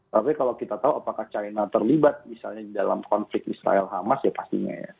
tapi kalau kita tahu apakah china terlibat misalnya dalam konflik israel hamas ya pastinya ya